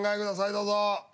どうぞ。